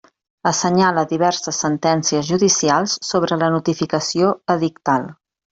Assenyala diverses sentències judicials sobre la notificació edictal.